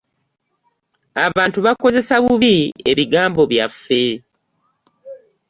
Abantu bakozesa bubi ebigambo byaffe.